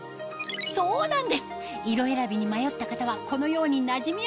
そうなんです！